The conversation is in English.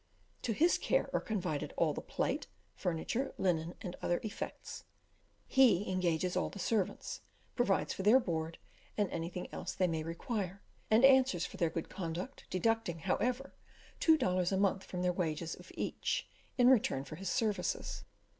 To his care are confided all the plate, furniture, linen, and other effects; he engages all the servants, provides for their board, and anything else they may require, and answers for their good conduct, deducting, however, two dollars a month from the wages of each, in return for his services.